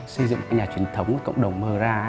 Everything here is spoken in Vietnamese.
xây dựng cái nhà truyền thống của cộng đồng mơ ra